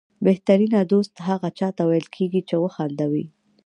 بهترینه دوست هغه چاته ویل کېږي چې وخندوي.